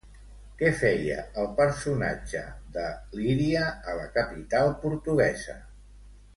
Què feia el personatge de l'Iria a la capital portuguesa?